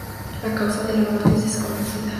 La causa de la muerte es desconocida.